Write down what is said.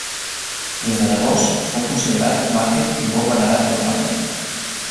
Des de llavors, fou considerat màrtir i fou venerat localment.